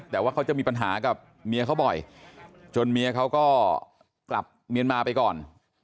แต่ว่าเขาจะมีปัญหากับเมียเขาบ่อยจนเมียเขาก็กลับเมียนมาไปก่อน